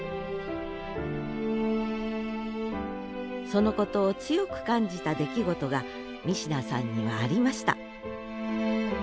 そのことを強く感じた出来事が三品さんにはありました